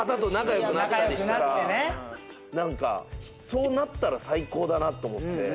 そうなったら最高だなと思って。